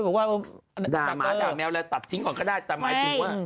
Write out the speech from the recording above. ด่าหมาด่าแมวแล้วตัดทิ้งก่อนก็ได้แต่หมายถึงว่า